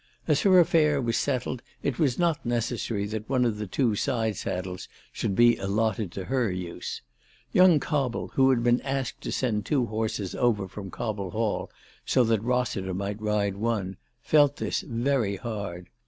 As her affair was settled it was not necessary that one of the two side saddles should be allotted to her use. Young Cobble, who had been asked to send two horses over from Cobble Hall so that Eossiter might ride one, felt this very hard.